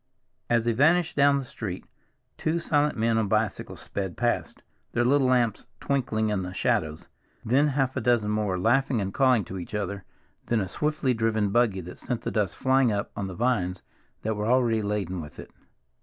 As they vanished down the street, two silent men on bicycles sped past, their little lamps twinkling in the shadows; then half a dozen more, laughing and calling to each other, then a swiftly driven buggy that sent the dust flying up on the vines that were already laden with it.